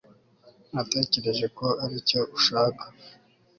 natekereje ko aricyo ushaka